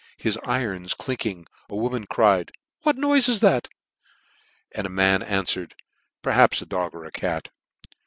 His irons clinking, a woman cried, " What noife is that ?" and a man anfwered, " per haps the dog or cat."